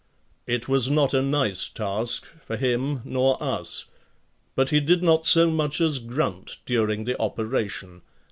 It was not a nice task, for him nor us, but he did not so much as grunt during the operation.